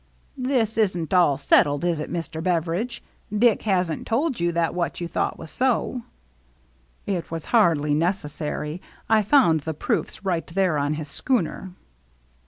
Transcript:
" This isn't all settled, is it, Mr. Beveridge ? Dick hasn't told you that what you thought was so?" " It was hardly necessary. I found the proofs right there on his schooner."